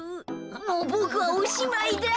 もうボクはおしまいだ。